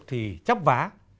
thì chấp vá